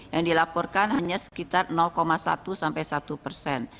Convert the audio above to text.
yang dilaporkan hanya sekitar satu sampai satu persen